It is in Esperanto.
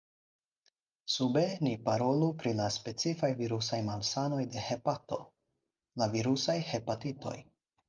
Sube ni parolu pri la specifaj virusaj malsanoj de hepato: la virusaj hepatitoj.